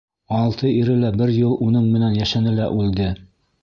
Алты ире лә бер йыл уның менән йәшәне лә үлде.